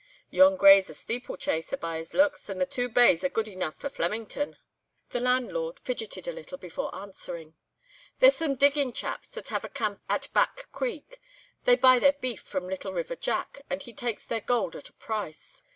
Yon grey's a steeplechaser, by his looks, and the two bays are good enough for Flemington." The landlord fidgeted a little before answering. "They're some digging chaps that have a camp at Back Creek. They buy their beef from 'Little River Jack,' and he takes their gold at a price.